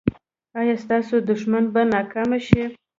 ایا ستاسو دښمن به ناکام شي؟